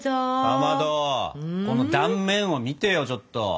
かまどこの断面を見てよちょっと！